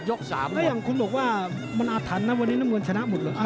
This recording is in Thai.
แล้วอย่างคุณบอกว่ามันอาถรรพ์นะวันนี้น้ำเงินชนะหมดเลย